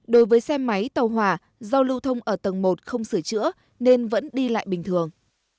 đối với xe máy tàu hỏa do lưu thông ở tầng một không sửa chữa nên vẫn đi lại bình thường